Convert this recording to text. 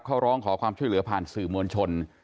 เขาร้องขอความช่วยเหลือผ่านสื่อมวลชน